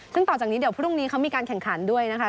ซึ่งต่อจากนี้เดี๋ยวพรุ่งนี้เขามีการแข่งขันด้วยนะคะ